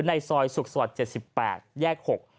ในซอยสุขสวรรค์๗๘แยก๖